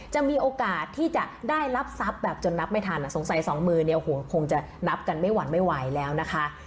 จะมีโอกาสที่จะได้รับทรัพย์แบบจนนับไม่ทันสงสัยสองมือเนี่ยคงจะนับกันไม่หวั่นไม่ไหวแล้วนะคะ